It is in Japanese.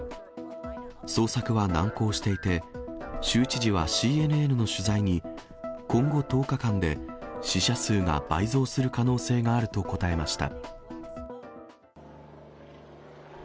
捜索は難航していて、州知事はＣＮＮの取材に、今後１０日間で死者数が倍増する可能性があると答えました。